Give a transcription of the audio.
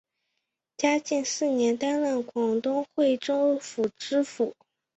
嘉靖四年担任广东惠州府知府。